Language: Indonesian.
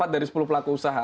empat dari sepuluh pelaku usaha